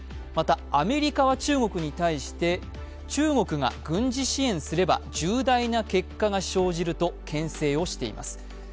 またアメリカは中国に対して中国が軍事支援すれば重大な結果が生じるとけん制をしています。